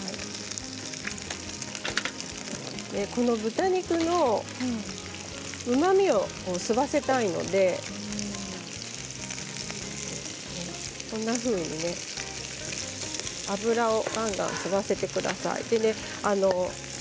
この豚肉のうまみを吸わせたいのでこんなふうにね。油をがんがん吸わせてください。